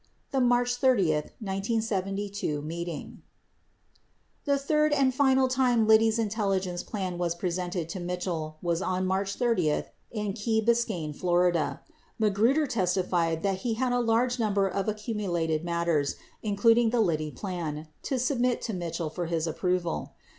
THE MARCH 3 0, 19 72 MEETING The third and final time Liddy's intelligence plan was presented to Mitchell was on March 30 in Key Biscayne, Fla. Magruder testified that he had a large number of accumulated matters, including the Liddy plan, to submit to Mitchell for his approval.